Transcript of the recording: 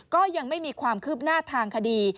ก็ยังไม่มีความคืบหน้าทางคดี